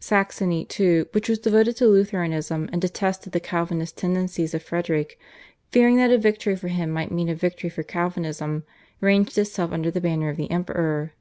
Saxony, too, which was devoted to Lutheranism and detested the Calvinist tendencies of Frederick, fearing that a victory for him might mean a victory for Calvinism, ranged itself under the banner of the Emperor.